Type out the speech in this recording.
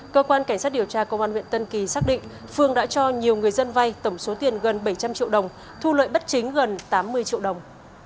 cơ quan cảnh sát điều tra công an huyện tân kỳ xác định phương đã cho nhiều người dân vay tổng số tiền gần bảy trăm linh triệu đồng thu lợi bất chính gần tám mươi triệu đồng